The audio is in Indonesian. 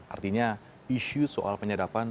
artinya isu soal penyadapan